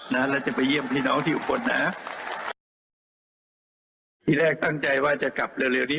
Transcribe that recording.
นะแล้วจะไปเยี่ยมพี่น้องที่อุบลนะที่แรกตั้งใจว่าจะกลับเร็วเร็วนี้